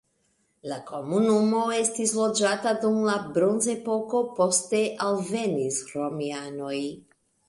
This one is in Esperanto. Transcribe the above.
La komunumo estis loĝata dum la bronzepoko, poste alvenis romianoj.